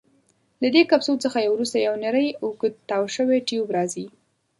له دې کپسول څخه وروسته یو نیری اوږد تاو شوی ټیوب راځي.